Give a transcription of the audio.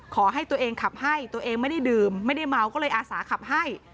ขอให้ตัวเองขับให้ตัวเองไม่ได้ดื่มไม่ได้เมาก็เลยอาสาขับให้